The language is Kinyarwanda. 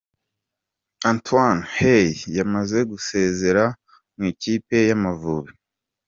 Antoine Hey yamaze gusezera mu ikipe ya Amavubi.